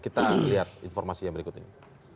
kita lihat informasi yang berikut ini